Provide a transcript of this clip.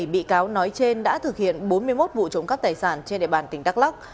bảy bị cáo nói trên đã thực hiện bốn mươi một vụ trộm cắp tài sản trên địa bàn tỉnh đắk lắc